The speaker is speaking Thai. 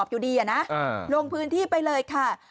อยู่ดีนะลงพื้นที่ไปเลยค่ะ